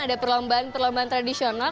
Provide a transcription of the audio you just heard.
ada perlombaan perlombaan tradisional